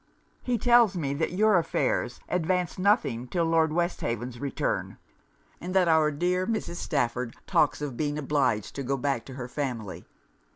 He tells me that your affairs advance nothing till Lord Westhaven's return; and that our dear Mrs. Stafford talks of being obliged to go back to her family.